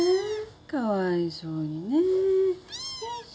かわいそうにねよいしょ。